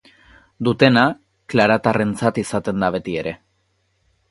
Dutena, klaratarrentzat izaten da beti ere.